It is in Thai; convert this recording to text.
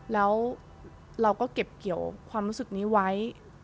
แล้วเราก็เก็บเกี่ยวความรู้สึกนี้ไว้